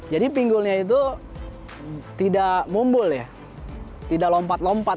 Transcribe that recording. jadi pinggulnya itu tidak mumbul ya tidak lompat lompat